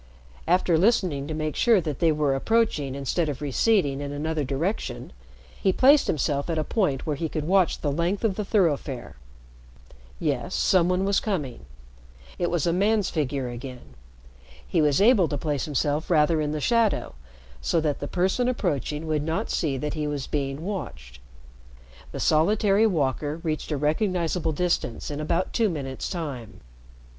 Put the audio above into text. After listening to make sure that they were approaching instead of receding in another direction, he placed himself at a point where he could watch the length of the thoroughfare. Yes, some one was coming. It was a man's figure again. He was able to place himself rather in the shadow so that the person approaching would not see that he was being watched. The solitary walker reached a recognizable distance in about two minutes' time.